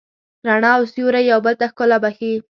رڼا او سیوری یو بل ته ښکلا بښي.